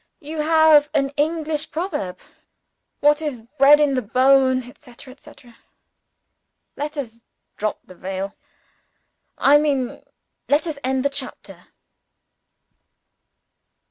You have an English proverb: "What is bred in the bone " etcetera, etcetera. Let us drop the veil. I mean, let us end the chapter.